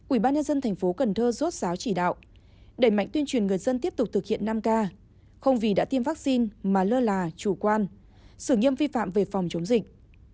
ubnd tp cần thơ rốt sáo chỉ đạo đẩy mạnh tuyên truyền người dân tiếp tục thực hiện năm k không vì đã tiêm vaccine mà lơ là chủ quan xử nghiêm vi phạm về phòng chống dịch